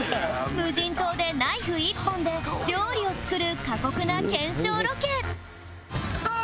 無人島でナイフ１本で料理を作る過酷な検証ロケ